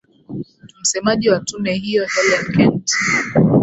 msemaji wa tume hiyo hellen kent